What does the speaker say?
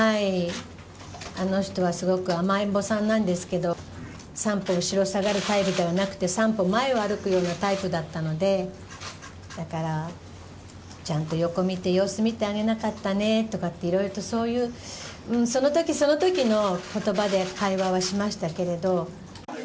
あの人は、すごく甘えん坊さんなんですけど３歩後ろを下がるタイプではなく３歩前を歩くタイプだったのでだから、ちゃんと横見て様子を見てあげなかったねっていろいろとその時、その時の言葉で会話はしましたけれど。